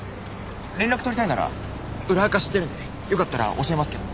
連絡取りたいなら裏アカ知ってるんでよかったら教えますけど。